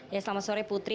ya selamat sore putri